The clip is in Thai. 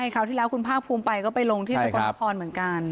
คราวที่แล้วคุณภาคภูมิไปก็ไปลงที่สกลนครเหมือนกัน